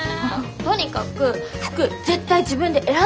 とにかく服絶対自分で選んじゃ駄目。